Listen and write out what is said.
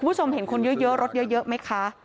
คุณผู้ชมเห็นคนเยอะรถเยอะไหมคะ